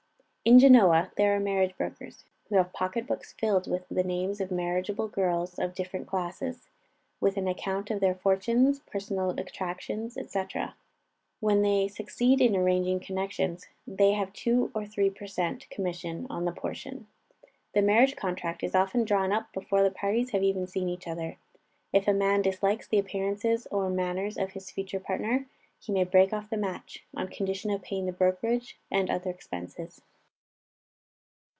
In Genoa, there are marriage brokers, who have pocketbooks filled with the names of marriageable girls of different classes, with an account of their fortunes, personal attractions, &c. When they succeed in arranging connections, they have two or three per cent. commission on the portion. The marriage contract is often drawn up before the parties have seen each other. If a man dislikes the appearances or manners of his future partner, he may break off the match, on condition of paying the brokerage and other expenses.